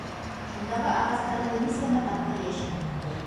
Шундағы ағастарҙы нисәмә тапҡыр йәшен һуҡты?